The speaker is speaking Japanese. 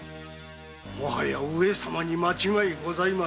もはや上様に間違いございませぬ。